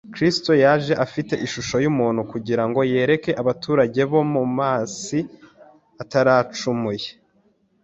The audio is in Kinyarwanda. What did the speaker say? Kristo yaje afite ishusho y’umuntu kugira ngo yereke abaturage bo mu masi ataracumuye